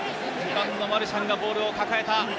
マルシャンがボールを抱えた。